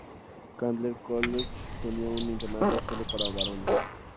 Candler College tenía un internado sólo para varones.